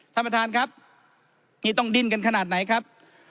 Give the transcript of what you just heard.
ท่านประธานครับนี่ต้องดิ้นกันขนาดไหนครับ